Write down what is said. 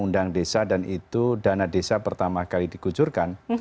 undang desa dan itu dana desa pertama kali dikucurkan